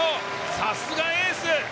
さすがエース！